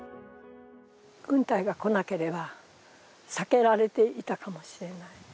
軍隊が来なければ避けられていたかもしれない。